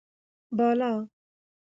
بالا: